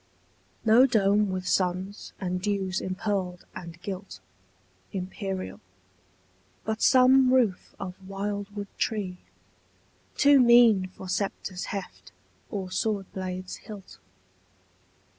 No dome with suns and dews impearled and gilt, Imperial: but some roof of wildwood tree, Too mean for sceptre's heft or swordblade's hilt.